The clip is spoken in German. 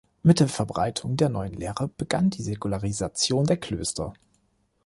Mit der Verbreitung der neuen Lehre begann die Säkularisation der Klöster.